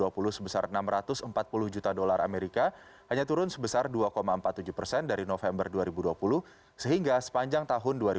pertanyaan dari pertanyaan